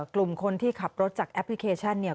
กลุ่มคนที่ขับรถจากแอปพลิเคชันเนี่ย